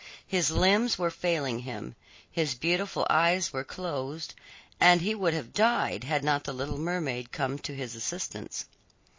His limbs were failing him, his beautiful eyes were closed, and he would have died had not the little mermaid come to his assistance.